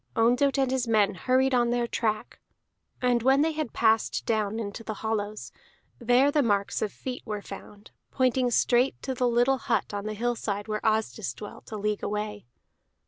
Ondott and his men hurried on their track, and when they had passed down into the hollows, there the marks of feet were found, pointing straight to the little hut on the hillside where Asdis dwelt, a league away.